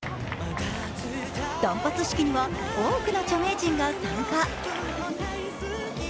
断髪式には多くの著名人が参加。